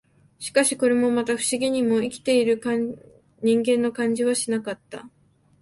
しかし、これもまた、不思議にも、生きている人間の感じはしなかった